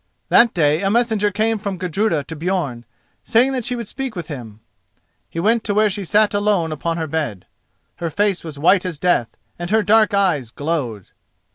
That day a messenger came from Gudruda to Björn, saying that she would speak with him. He went to where she sat alone upon her bed. Her face was white as death, and her dark eyes glowed.